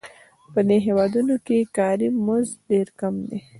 په دې هېوادونو کې کاري مزد ډېر کم دی